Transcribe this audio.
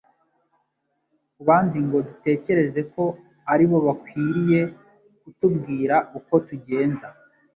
ku bandi ngo dutekereze ko ari bo bakwiriye kutubwira uko tugenza.